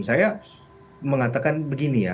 saya mengatakan begini ya